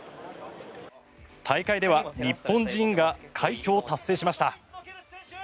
大会では日本人が快挙を達成しました。